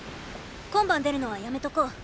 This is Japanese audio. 今晩出るのはやめとこう。